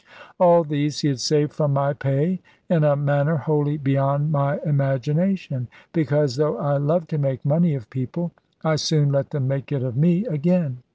All these he had saved from my pay in a manner wholly beyond my imagination, because, though I love to make money of people, I soon let them make it of me again.